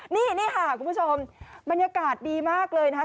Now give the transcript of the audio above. นี่ค่ะคุณผู้ชมบรรยากาศดีมากเลยนะคะ